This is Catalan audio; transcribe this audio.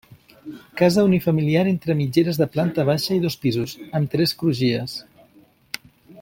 Casa unifamiliar entre mitgeres de planta baixa i dos pisos, amb tres crugies.